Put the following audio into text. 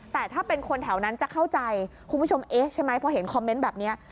แต่ถ้าเป็นคนแถวนั้นจะเข้าใจคุณผู้ชมเอ๊ะใช่ไหมพอเห็นคอมเมนต์แบบนี้